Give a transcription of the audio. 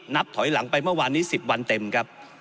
นับถอยหลังไปเมื่อวานนี้๑๐วันเต็มครับ